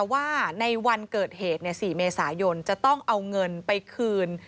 ว่าในวันเกิดเหตุ๔เมษายนจะต้องเอาเงินไปคืน